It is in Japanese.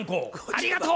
ありがとう！